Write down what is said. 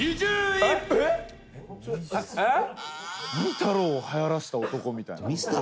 太郎をはやらせた男みたいな。